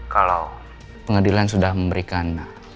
kalau pengadilan sudah memberikan